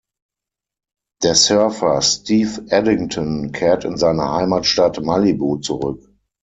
Der Surfer Steve Addington kehrt in seine Heimatstadt Malibu zurück.